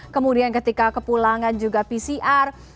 kemudian ketika kepulangan juga pcr